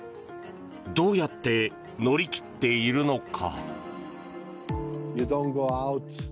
どうやって乗り切っているのか。